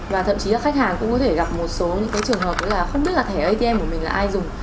và thậm chí là khách hàng cũng có thể gặp một số những trường hợp như là không biết là thẻ atm của mình là ai dùng